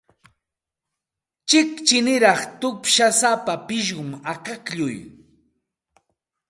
Chiqchiniraq tupshusapa pishqum akaklluqa.